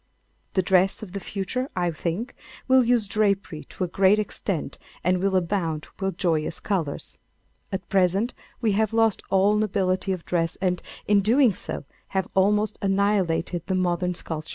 The dress of the future, I think, will use drapery to a great extent and will abound with joyous colour. At present we have lost all nobility of dress and, in doing so, have almost annihilated the modern sculptor.